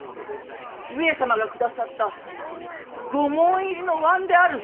上様が下さった御紋入りのわんであるぞ！